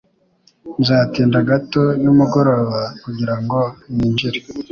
Nzatinda gato nimugoroba kugirango ninjire.